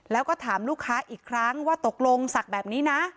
แล้วก็ถามลูกค้าอีกครั้งว่าตกลงศักดิ์แบบนี้นะ